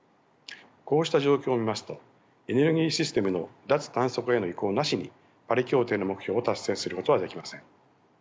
こうした状況を見ますとエネルギーシステムの脱炭素化への移行なしにパリ協定の目標を達成することはできません。